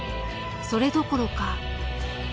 それどころか。